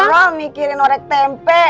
orang mikirin arak tempe